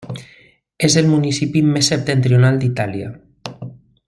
És el municipi més septentrional d'Itàlia.